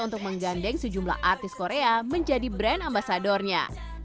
untuk menggandeng sejumlah artis korea menjadi brand ambasadornya